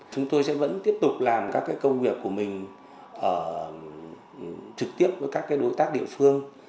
chúng tôi sẽ vẫn tiếp tục làm các công việc của mình trực tiếp với các đối tác địa phương